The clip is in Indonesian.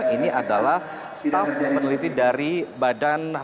ini adalah staf peneliti dari badan pengadilan